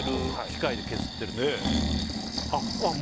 機械で削ってるっていうの？